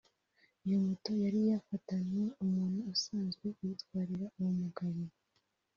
Iyo moto yari yafatanywe umuntu usanzwe ayitwarira uwo mugabo